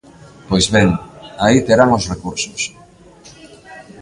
Pois ben, aí terán os recursos.